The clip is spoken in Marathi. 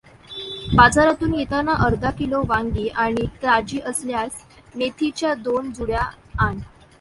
बाजारातून येताना अर्धा किलो वांगी आणि ताजी असल्यास मेथीच्या दोन जुड्या आण.